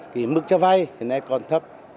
thì mức cho vay hiện nay còn thấp